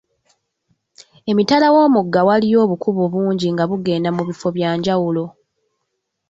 Emitala w'omugga waaliyo obukubo bungi nga bugenda mu bifo bya njawulo.